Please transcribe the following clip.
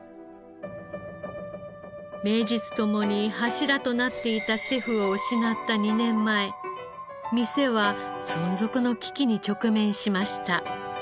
名実共に柱となっていたシェフを失った２年前店は存続の危機に直面しました。